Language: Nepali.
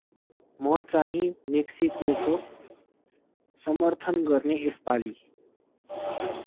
म चाहि मेक्सिकोको समर्थन गर्ने यसपाली ।